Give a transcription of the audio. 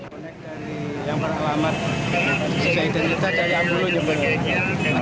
bonek dari yang beralamat sisa identitas dari ambulu jember